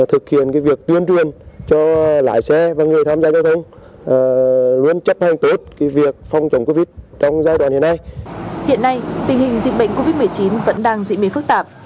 hiện nay tình hình dịch bệnh covid một mươi chín vẫn đang dị mê phức tạp